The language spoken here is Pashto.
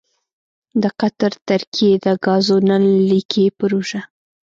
دقطر ترکیې دګازو نل لیکې پروژه: